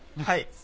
はい。